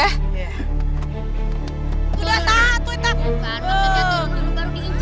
udah tahan tuh itu